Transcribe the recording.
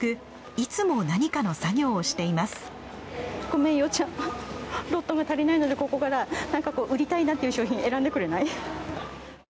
ごめんよっちゃんロットが足りないのでここからなんかこう売りたいなっていう商品選んでくれない？